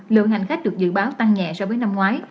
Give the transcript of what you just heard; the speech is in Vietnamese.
lượng hành khách được dự báo tăng nhẹ so với năm ngoái